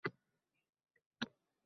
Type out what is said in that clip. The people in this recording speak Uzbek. Ont ichaman, sababini bilmayman